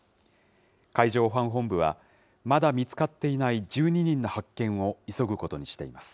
海上保安本部は、まだ見つかっていない１２人の発見を急ぐことにしています。